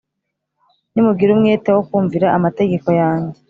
Nimugira umwete wo kumvira amategeko yanjye